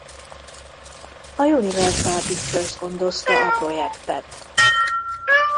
A Universal Pictures gondozta a projektet.